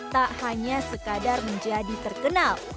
tak hanya sekadar menjadi terkenal